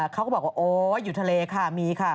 เขาก็บอกว่าโอ๊ยอยู่ทะเลค่ะมีค่ะ